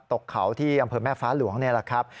ตกเขาที่อำเภอแม่ฟ้าหลวงนี่แหละครับ